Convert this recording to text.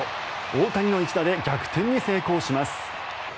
大谷の一打で逆転に成功します。